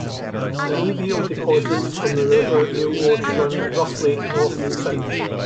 Alluvial deposits from the River Erewash run roughly north-south.